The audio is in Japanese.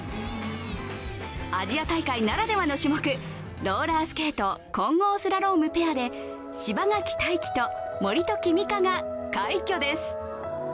アジア大会ならではの種目、ローラースケート混合スラロームペアで柴垣大輝と守時実香が快挙です。